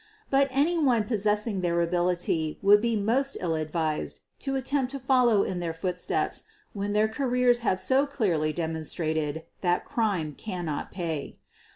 But anyone possessing their ability would be most ill advised to attempt to follow in their footsteps when their careers have so clearly demonstrated that crime cannot pay.